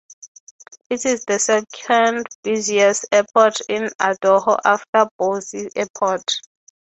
It is the second-busiest airport in Idaho after Boise Airport.